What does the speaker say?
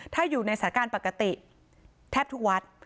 ถ้าอยู่ในสถานการณ์ปกติแทบทุกวัด